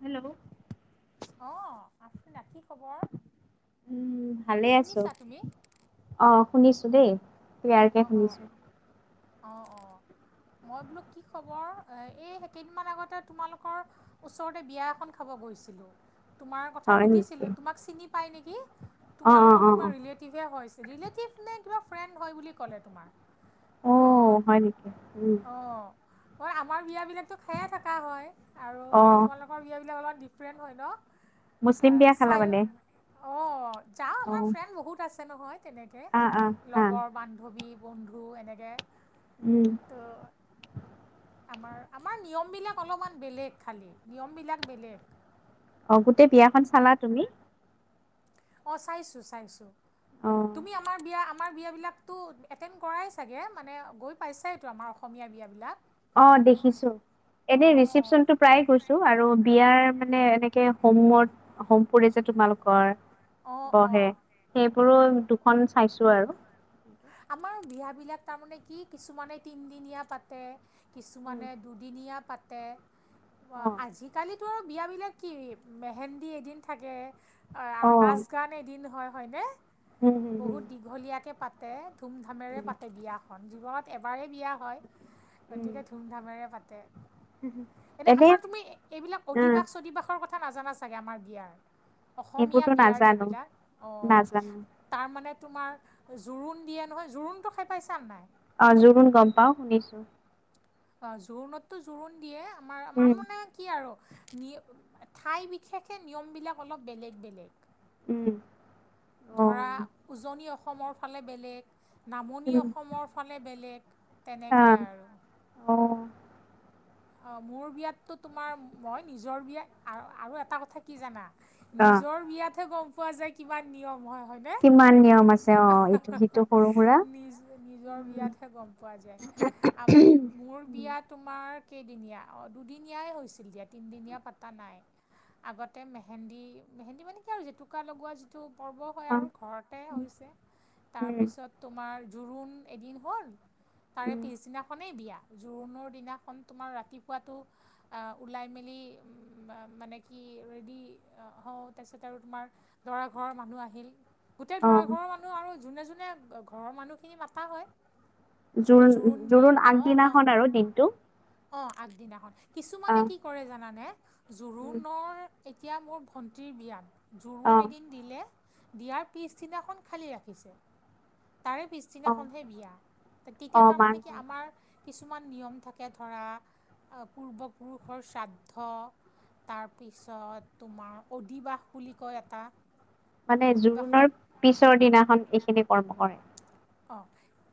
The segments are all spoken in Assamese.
হেল্ল' অ আনা কি খবৰ উম ভালে আছো শুনিছা তুমি? অ শুনিছো দেই তয়াৰকে অ', শুনিছো অ', অ অ মই বোলো কি খবৰ এই সেইকেইদিন আগতে তোমালোকৰ ওচৰতে বিয়া এ খাব গৈছিলোঁ তোমাৰ কথা হয় সুধিছিল নেকি তোমাক চিনি পায় নেকি অ অ তোমালোকৰ অ অ কোনোবা ৰিলেটিভে ৰিলেটিভ নে কিবা ফ্ৰেণ্ড হয় বুলি ক'লে তোমাৰ অহ ত' হয় নেকি উম অ', মই আমাৰ বিয়াবিলাকতো খায়ে থকা হয় আৰু অ মানে তোমালোকৰ বিয়াবিলাক অলপমান ডিফাৰেণ্ট হয় ন মুছলিম বিয়া খালা মানে যাওঁ অ আমাৰ ফ্ৰেণ্ড বহুত আছে নহয় তেনেকৈ আ আ হা লগৰ বান্ধৱী বন্ধু এনেকৈ উম তো আমাৰ আমাৰ নিয়মবিলাক অলপমান বেলেগ খালী নিয়মবিলাক বেলেগ অ গোটেই বিয়াখন চালা তুমি অঁ চাইছোঁ চাইছোঁ অ তুমি আমাৰ বিয়া আমাৰ বিয়া বিলাক এতেম কৰাই চাগে মানে গৈ পাইছাইতো আমাৰ অসমী বিয়াবিলাক অ দেখিছো এনে ৰিচিপচনতটো প্ৰায়ে গৈছো আৰু বিয়াৰ মানে এনেকে হোমত হোম পৰি যে তোমালোকৰ অঁ অঁ বহে অঁ সেইবোৰো দুখন চাইছো আৰু আমাৰ বিয় বিলাক তাৰমানে কি কিছুমানে তিনদিনীয়া পাতে উম কিছুমানে দুদিনীয়া পাতে অ আজিকালি টো আৰু বিয়াবিলাক কি মেহেন্দি এদিন থাকে অ নাচ গান এদিন হয় হয়নে উম উম উম বহুত দীঘলীয়াকে পাতে ধুম ধামেৰে উম পাতে বিয়াখন যগত এবাৰেই বিয়া হয় উম গতিকে ধুমধামেৰে পাতে এনে আমাৰ তুমি এইবিলাক উম, অধিবাস চদিবাসৰ কথা কথা নাজানা চাগে আমাৰ বিয়াৰ অসমীয়া এইবোৰতো বিয়াৰ নাজানো যিবিলাক নাজানো। অ তাৰ মানে তোমাৰ জোৰোণ দিয়ে নহয় জোৰোণটো খাই পাইছা নাই অ জোৰণ গম পাও শুনিছো অ জোৰোণতো জোৰোণ দিয়ে আমাৰ উম, মাৰানে কি আৰু ঠাই বিশেষে নিয়ম বিলাক অলপ বেলেগ বেলেগ উম, ধৰা অ', উজনি অসমৰ ফালে বেলেগ নামনি উম, অসমৰ ফালে বেলেগ তেনেকৈ আহ, আৰু অ অ মোৰ বিয়াততটো তোমাৰ মই নিজৰ বিয়াত আৰু এটা কথা কি জানা আহ নিজৰ বিয়াতহে গম পোৱা যায় কিমান নিয়ম হয় হয় কিমান নিয়ম আছে অ, ইটো সিটো সৰু সুৰা। নিজ নিজৰ বিয়াতহে গম পোৱা যায় আ মোৰ বিয়া তোমাৰ কেইদিনীয়া অ দুদিনীয়াই হৈছিল দিয়া তিনদিনীয়া পাতা নাই আগতে মেহেন্দী মেহেন্দী মানে কি আৰু জেতুকা লগোৱা যিটো পৰ্ব হয় অ আৰু ঘৰতে হৈছে উম, তাৰপিছত তোমাৰ জোৰোণ এদিন হ'ল তাৰে উম পিছদিনাখন মান বিয়া জোৰোণৰ দিনাখন তোমাৰ ৰাতিপুৱাটো ওলাই মেলি মানে কি ৰেডি হওঁ তাৰপিছত আৰু তোমাৰ দৰা ঘৰৰ মানুহ আহিল গোটেই অ, দৰা ঘৰৰ মানুহ আৰু যোনে যোনে ঘৰৰ মানুহখিনি মাতা হয় জোৰণ জোৰোণ আগদিনাখন আৰু দিনটো অ আগদিনাখন কিছুমানে আহ, কি কৰে জানানে উম, জোৰোণৰ এতিয়া মোৰ ভণ্টীৰ বিয়াত জোৰোণ অ', এদিন দিলে দিয়াৰ পিছদিনাখন খালী ৰাখিছে তাৰে অ', পিছদিনাখনহে বিয়া তেতিয়া অ', মান তাৰমানে কি আমাৰ কিছুমান নিয়ম থাকে ধৰা পূৰ্বপুৰুষৰ শ্ৰাদ্ধ তাৰপিছত তোমাৰ অদিবাস বুলি কয় এটা মানে অদিবাসত জোৰোণৰ পিছৰ দিনাখন এইখিনি কৰ্ম কৰে অ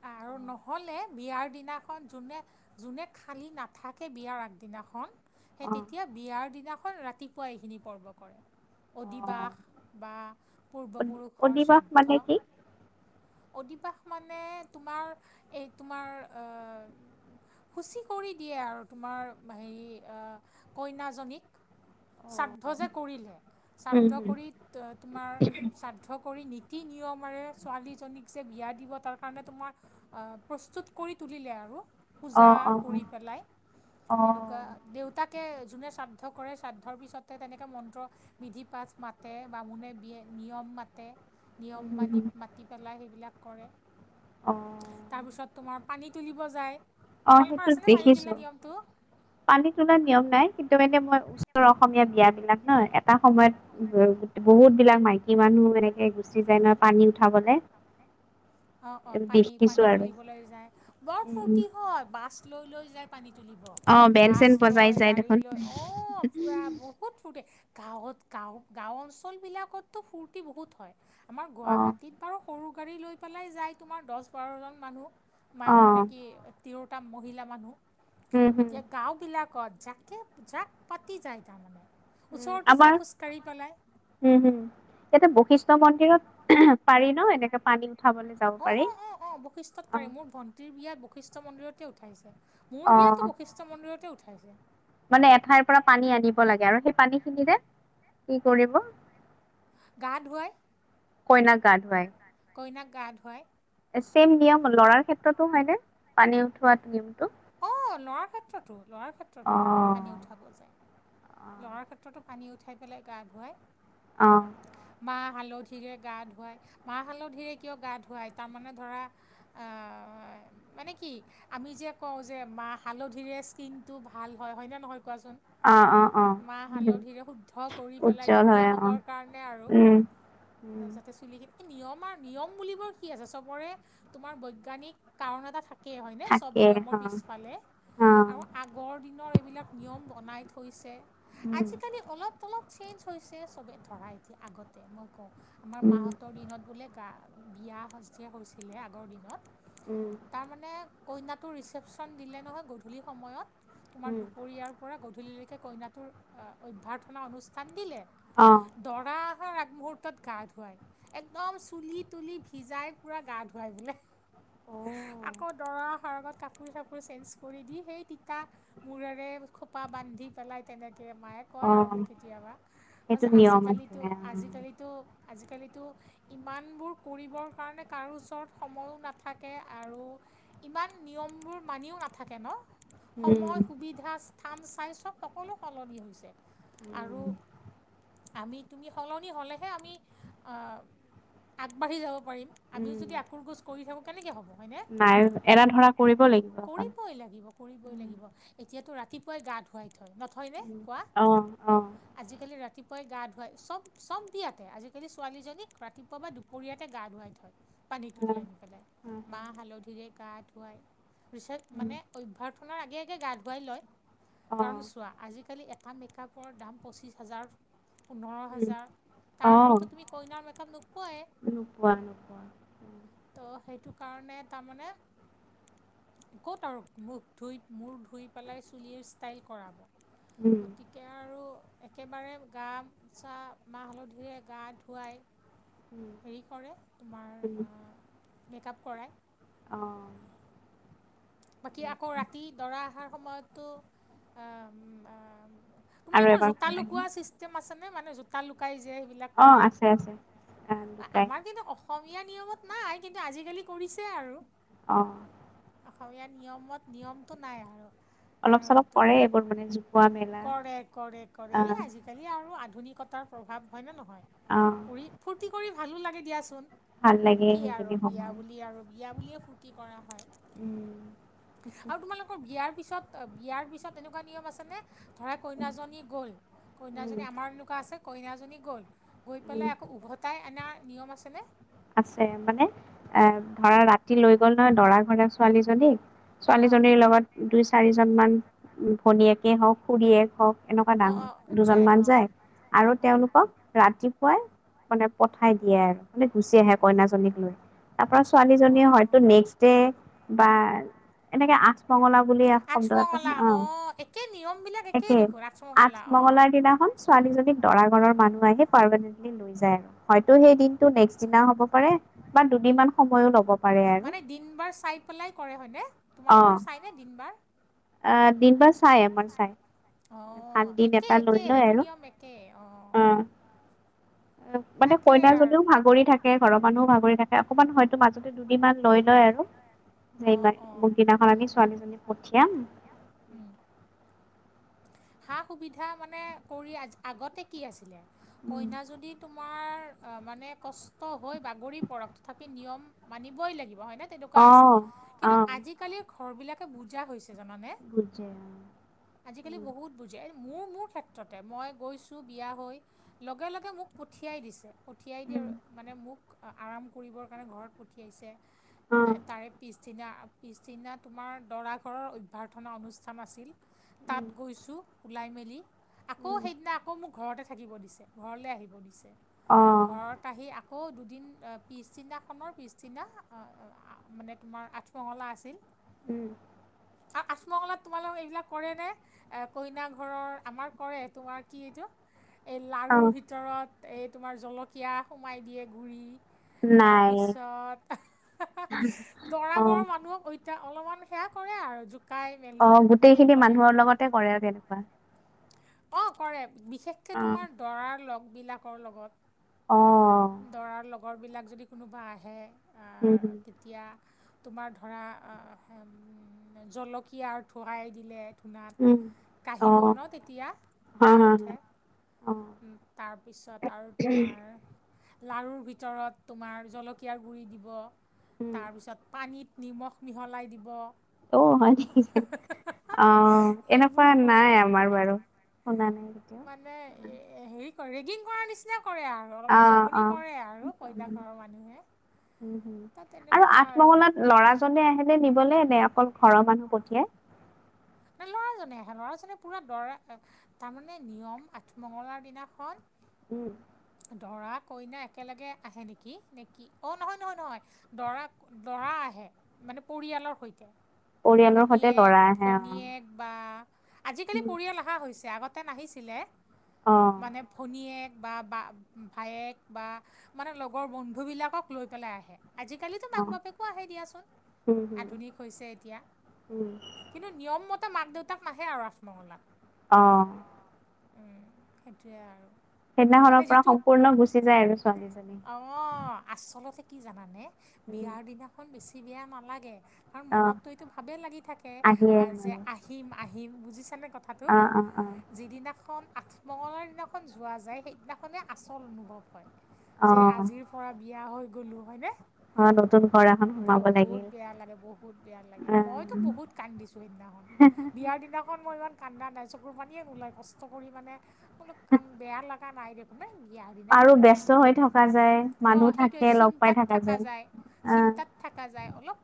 আৰু অ', নহলে বিয়াৰ দিনাখন যোনে যোনে খালী নাথাকে বিয়াৰ আগদিনাখন সেই অ', তেতিয়া বিয়াৰ দিনাখন ৰাতিপুৱা এইখিনি পৰ্ব কৰে অ', অদিবাস বা পূৰ্বপুৰুষৰ অধিবাস মানে শ্ৰাদ্ধ কি? অদিবাস মানে তোমাৰ এই তোমাৰুচ কৰি দে আৰু তোমাৰ হে কইীক অ। শ্ৰাদ্ধ যে কৰিলে উম শ্ৰাদ্ধ হুম। কৰি তোমাৰ শ্ৰাদ্ধ কৰি ীতি নিয়মেৰে ছোৱালী যে বিয়া দিব তাৰ কাৰ তোমাৰ প্ৰস্তুত কৰি তুলিলে আৰু পূজা অ', অ', কৰি পেলাই তেনেকুৱা অ'। দেউতাক তেনেকে যোনে শ্ৰাদ্ধ কৰে শ্ৰাদ্ধৰ পিছতে তেনেকে মন্ত্ৰ মধি পাঠ মাতে বামুণে বিয় নিয়ম মাতে নিয়ম উম, হুম, মানি হুম, মাতি পেলাই সেইবিলাক কৰে অ', তাৰপিছত তোমাৰ পানী তুলিব যায় অ', তোমালোকৰ সেইটোত আছেনে পানী দেখিছো। তুলা নিয়মটো পানী তোলাৰ নিয়ম নাই কিন্তু মানে মই উচ্চৰ অসমীয়া বিয় বিলাক ন এটা সময়ত উ বুত দ স মানুহ এনেকে গুচি যায় না উঠাবলৈ উ অ অ পানী পানী তুলিবলৈ যায় বৰ উম, ফূৰ্তি হয় বাছ লৈ লৈ যায় পানী তুলিব অ', বেন বাছ চেন বজাই লৈ যায় গাড়ী দেখোন। লৈ অ পুৰা বহুত ফূৰ্ত গাঁৱত গাঁওঁ গাঁও অঞ্চল বিলাকততো ফূৰ্তি বহুত হয় আমাৰ অ', গুৱাহাট আৰু সৰু গাড়ী লৈ পেলাই যায় তোমাৰ দহ বাৰজন মানুহ মা মানে অ', কি তিৰোটা মহিলা উম, মানুহ হুম, এতিয়া গাঁওবিলাক যাকে যাক পাতি যায় তাৰ মানে উম আমাৰ হম হম ইয়াতে বশিষ্ঠ মন্দিৰত পাৰি ন এনেকে পানী উঠাবলৈ যাব অ পাৰি। অ অ অ বৈশিষ্টত অ', পাৰি মোৰ ভণ্টিৰ বিয়া বৈশিষ্ট মন্দিৰতে উঠাইছে মোৰ অ'। বিয়াতো বৈশিষ্ট মন্দিৰতে উঠাইছে মানে এঠাইৰ পৰা পানী আনিব লাগে আৰু সেই পানী খিনিৰে কি কৰিব গা ধুৱাই কইনাক গা ধুৱাই কইনাক গা ধুৱায় চেম নিয়ম লৰাৰ ক্ষেত্ৰতো হয়নে পানী উঠোৱা নিয়মটো অ লৰ ক্ষেত্ৰতো লৰাৰ অ ক্ষেত্ৰতো পানী উঠাব যায় লৰাৰ ক্ষেত্ৰতো পানী উঠাই পেলাই গা ধুৱায় অ মাহ হালধিৰে গা ধুৱায় মাহ হালধিৰে কিয় গা ধুৱায় তাৰমানে ধৰা মানে কি আমি যে কওঁ যে মা হালধিৰে স্কিন টো ভাল হয় হয় ন নহয় কৱাছোন অ অ অ মাহ হালধিৰে শুদ্ধ কৰি পেলাই উজ্জ্বল ধুনীয়া হয় অ হ'বৰ কাৰণে আৰু উম আৰু যাতে চুলি নিয়ম আৰু নিয়ম বুলিবৰ কি আছে চবৰে তোমাৰ বৈজ্ঞানিক কাৰণ এটা থাক একে হয়নে চব থাকে নিয়মৰ অ পিছফালে অ আৰু আগৰ দিনৰ এইবিলাক নিয়ম বনাই উম আজিকালি অলপ অলপ চেঞ্জ হৈছে চবে ধৰা এতি আগতে মই কওঁ আমাৰ উম মাহতৰ দিনত বোলে গা বিয়া সজ হৈছিলে আগৰ দিনত উম তাৰমানানে কইনাটো ৰিচেপ্যন দিলে নহয় গধূলি সময়ত তোমাৰ উম দুপৰীয়াৰ পৰা গধূলিলৈকে কইনাটোৰ অভ্যয়াৰ্থনা অনুষ্ঠান দিলে অ দৰা ৰ আগমহুৰ্তত গা ধুৱাই একদম চুলি তুলি ভিজাই পুৰা গা ধুৱাই বোলে আকৌ দৰা সাৰবাত কাপোৰ চাপোৰ চেঞ্জ কৰি দি সেই তিতা মূৰেৰে খোপা বান্ধি পেলাই তেনেকে মায়ে অ কয় আৰু মোক কেতিয়াবা সেইটো তাৰপিছত নিয়ম আজিকালিতো আছিলে অ আজিকালিতো আজিকালিতো ইমানবোৰ কৰিবৰ কাৰণে কাৰো ওচৰত সময়ো নাথাকে আৰু ইমান নিয়মবোৰ মানিও নাথাকে ন উম সময় উম সুবিধা কাম চাই চব সকলো সলনি হৈছে আৰু আমি তুমি সলনি হলেহে আমি অ আগবাঢ়ি যাব পাৰিম আমিও উম, যদি আকুৰ গোজ কৰি থাকোঁ কেনেকৈ হ'ব হয়নে নাই এনে ধৰা কৰিব লাগিব অকণ কৰিবই লাগিব কৰিবই লাগিব এতিয়াতো ৰাতিপুৱাই গা ধুৱাই নহয়নে কৱা অ অ আজি কালি ৰাতি গা ধুৱাই চব চব দিয়াতে আজিকালি ছোৱালীজনীক ৰাতিপুৱা বা দুপৰীয়াতে গা ধুৱাই থয় পানী তুলি আনি পেলাই মাহ হালধিৰে গা ধুৱাই ৰিচেট মানে অভ্যৰ্থনাৰ আগে আগে গা ধুৱাই লয় কাৰণ চোৱা আজিকালি টা মেকআপৰ দাম পঁচিছ হাজাৰ পোন্ধৰ হাজাৰ তাৰ পৰাৰতো তুমি কইনাৰ মেথাম নোপোৱাই তপোৱা ত' সেইটো কাৰণে তাৰমানে ক'ত আৰু মোক ধুই মোৰ ধুই পেলাই চুলিৰ ষ্টাইল কৰাব উম, গতিকে আৰু একেবাৰে গামোচা মাহ হালধিৰে গা ধুৱাই উম, হেৰি কৰে তোমাৰ মেকআপ কৰাই আহঁ বাকী আকৌ ৰাতি দৰা অহাৰ সময়তো আহ আৰু তোমালোকৰ এবাৰ জোতা লুকোৱা চিষ্টেম আছে নে মানে জোতা লুকাই অ', আছে, আছে, আ, লুকাই আমাৰ কিন্তু অসমীয়া নিয়মত নাই কিন্তু আজিকালি কৰিছে আৰু আহঁ অসমীয়া নিয়মত নিয়মটো নাই আৰু আৰু অলপ-চলপ ত কৰে এইবোৰ মানে জোকোৱা মেলা কৰে কৰে কৰে আ, আজিকালি আৰু আধুনিক প্ৰভাৱ হয় ন অ', নহয় ফ্তি কৰি ভালো লাগে দিয়াচোন ভাল লাগে কি সেইখিনি আৰু বিয়া সময়। বুলি আৰু বিয়া বুলিয়ে ফূুৰ্তি কৰা হয় উম, আৰু তোমালোকৰ বিয়াৰ পিছত বিয়াৰ পিছত এনেকুৱা নিয়ম আছে নে ধৰা কইনাজনী গ'ল উম, কইনাজনী আমাৰ এনেকুৱা আছে কইনাজনী গ'ল গৈ উম। পেলাই আকৌ উভতাই অনা নিয়ম আছেনে আছে মানে এ ধৰা ৰাতি লৈ গ'ল নহয় দৰা ঘৰা ছোৱালীজনীক অঁ ছোৱালীজনীৰ লগত দুই চাৰিজন মান ভনীয়েকে হওক খুৰীয়েক হওক এনেকুৱা অ ডাঙৰ অ দুজনমান অ যায় আৰু অ তেওঁলোকক ৰাতিপুৱাই মানে পঠাই দিয়ে আৰু মানে গুচি আহে কইনাজনীক লৈ তাৰ পৰা ছোৱালীজনীয়ে হয়তো নেক্স ডে বা এনেকে আঠমঙলা বুলি শব্দ এটা অ নিয়ম বিলাক একেই দেখো ৰা আঠমঙলাৰ দিনাখন ছোৱালীজনীক দৰা ঘৰৰ মানুহ আহে পাৰমানেন্টলি লৈ যায় আৰু হয় সেই দিনটো নেক্সট দিনা হ'ব পাৰে বা দুদিনমান সময়ো ল'ব পাৰে আৰু মানে দিন বাৰ চাই পেলাই কৰে হয়নে অ তোমালোকৰো চাইনে দিন বাৰ আহ দিন বাাৰ চাই আমাৰ চাই আহ ভাল দিন একে এটা লৈ একে লয় সেইটো আৰু নিয়ম একে অ মানে তাকেই আৰু কইনাজনীও ভাগৰি টো থাকে ঘৰৰ মানুহও ভাগৰি থাকে অকমান হয়তো মাজতে দুদিন মান লৈ লয় আৰু অ যাৰ অ মোৰ দিনাখন আমি ছোৱালীজনীক পঠিয়াম উম সা সুবিধা মানে কৰি আগতে কি আছিলে উম, কইনা যদি তোমাৰ মানে কষ্ট হৈ বাগৰি তথাপি নিয়ম মানি লাগিব হয় ন তেনেকুৱা অ আছিল অ কিন্তু আজি কালিৰ ঘৰ বিলাকে বুজা হৈছিল বুজে অ আজিকালি বহুত বুজে মোৰ মোৰ ক্ষেত্ৰতে মই গৈছোঁ বিয়া হৈ লগে লগে মোক পঠিয়াই দিছে পঠিয়াই দিয়ে উম মানে মোক আৰাম কৰিবৰ কাৰণে ঘৰত উম অ পঠিয়াইছে তাৰে পিছ পিছদিনা পিছদিনা তোমাৰ দৰা ঘৰৰ অভ্যৰ্্থনা অনুষ্ঠান আছিল তাত উম গৈছো ওলাই মেলি আকৌ উম সেইদিনা আকৌ মোক ঘৰতে থাকিব দিছে ঘৰলৈ আহিব দিছে অ ঘৰত আহি হ' দুদিন পিছদিনাখনৰ পিছদিনা মানে তোমাৰ আঠমঙলা আছিল উম আৰু আঠমঙলা ত তোমালোকৰ এইবিলাক কৰে নে কইনা ঘৰৰ আমাৰ কৰে তোমাৰ কি এইটো এই অ লাৰুৰ ভিতৰত এই তোমাৰ জলকীয়া সোমাই দিয়ে গুড়ি তাৰ নাই পিছত দৰা অ ঘৰৰ মানুহক তেতিয়া অলপমান সেয়া কৰে আৰু জোকাই মেলি অ', সেই গোটেইখিনি কৰে মানুহৰ লগতে কৰে আৰু তেনেকুৱা। অ', কৰে বিশেষকে অ তোমাৰ দৰাৰ লগ বিলাকৰ অ লগত। দৰাৰ লগৰবিলাক যদি কোনোবা আহে। উম হম তেতিয়া। তোমাৰ ধৰা আ', জলকীয়া থুৱাই দিলে ঢো উম কাঁহী অ বন তেতিয়া হা কাহ হা হা উঠে। অ তাৰপিছত আৰু তোমাৰ। লাৰুৰ ভিতৰত তোমাৰ জলকীয়াৰ গু়ি দিব উম তাৰপিছত পানীত নিমখ মিহলাই দিব। অহ হয় নিকি আহ। সেইবোৰ এনেকুৱা কৰে নাই আমাৰ বাৰু শুনা নাই তেতিয়া। হ ৰেগিং কৰ নিচিনা কৰে আৰু অলপমান জমনি অ কৰে আৰু কইনা ঘৰৰ মানুহে। উম হম ত আৰু তেনেকুৱা আঠ মহলাত লৰাজনে আহেনেে নিবলৈ এ নে অকল ঘৰৰ মানুহ পঠিয়াই। বেলৰ লৰাজনে আহে ল'ৰাজনে পুৰা দৰা তাৰমানে নিয়ম আঠমঙলাৰ দিনাখন উম। দৰা কইনা একেলগে আহে নেকি নেকি অ', নহয় নহয় নহয় দৰা দৰা আহে মানে পৰিয়ালৰ সৈতে। পৰিয়ালৰ সৈতে লৰা আহে। অ কণীয়েক বা। আজিকালি পৰিয়াল অহা হৈছে আগতে নাহিছিলে অ মানে ভনীয়েক। বা বা ভায়েক বা মানে লগৰ বন্ধু বিলাকক লৈ পেলাই আহে। আজিকালিতো অ মাক বাপেকো আহে দিয়াচোন উম হম আধুনিক হৈছে এতিয়া। উম কমতে মাক দেউতাক নাহে আৰু আঠমঙলাত। অ। উম সেইটোৱে আৰু। মানে সেইদিনাখনৰ পৰা যিটো সম্পূৰ্ণ গুচি যায় আৰু ছোৱালীজনী। অ', আচলতে কি জানানে বিয়াৰ দিনাখন বেছি বিয়া নালাগে কাৰণ অ', মনততো এইটো ভাবেেই লাগি থাকে। আহিয়ে যে আৰু আহিম আহিম বুজিছানে কথাটো অ', অ', অ', যিদিনা খন আঠ মঙলাৰ দিনাখন যোৱা যায় সেইদিনাখনে আচল অনুভৱ হয়। যে অ', আজিৰ পৰা বিয়া হৈ গ'লো হয়নে। অ', নতুন ঘৰ এখন সোমাব বহুত লাগিল। বেয়া লাগে বহুত বেয়া লাগে মইতো উম, বহুত কান্দিছো সেইদিনাখন বিয়াৰ দিনাখন মই ইমান কান্দা নাই চকুৰ পানীয়ে নোলাই কষ্ট কৰি মানে। কোনো কাম বেয়া লগা নাই দেখ বিয়া দিনা খন আৰু অলমান ব্যস্ত হৈ থকা যায়, মানুহ অ', সেইে থাকে লগ পাই চিন্তাত থকা যায়। অ', চিন্তাত তাত থকা যায় অলপ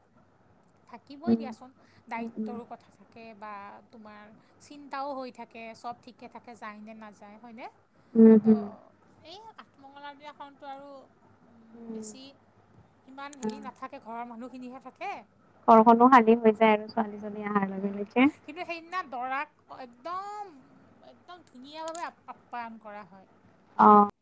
থাকিবই উম, দিয়াচোন উম, উম, দায়িত্বৰো কথা থাকে। থাকে বা তোমাৰ চিন্তাও হৈ থাকে চব ঠিকে থাকে যায় নে নাযায় হয়নে। উম হম। আাঠমঙলাৰ বিনাখনো আৰু বেছি ইমান হেৰি নাথাকে ঘৰৰ মানুহ। খিনিহে থাকে। ঘৰখনো শালী হৈ যায় আৰু ছোৱালীজনী অহাৰ লগে উম, লগে। কিন্তু সেইদিনা একদম একদম ধুনীয়া ভাৱে আপ্যায়ন কৰা হয়। অ'।